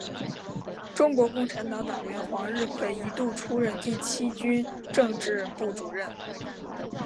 中国共产党党员黄日葵一度出任第七军政治部主任。